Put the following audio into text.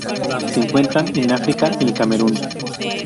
Se encuentran en África: el Camerún.